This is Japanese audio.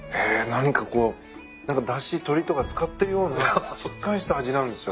何かこうだし鳥とか使ってるようなしっかりした味なんですよ。